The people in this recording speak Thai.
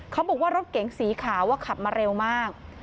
เขาบอกว่ารถเก๋งสีขาวขับมาเร็วมาก